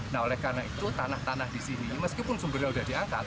nah oleh karena itu tanah tanah di sini meskipun sumbernya sudah di atas